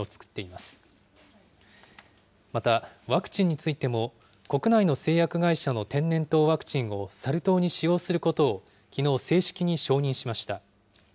また、ワクチンについても、国内の製薬会社の天然痘ワクチンをサル痘に使用することをきのう、正式に承認しました。